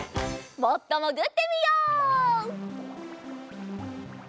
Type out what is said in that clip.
もっともぐってみよう。